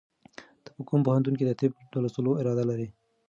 ته په کوم پوهنتون کې د طب د لوستلو اراده لرې؟